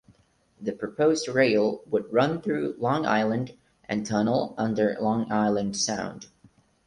The proposed rail would run through Long Island and tunnel under Long Island Sound.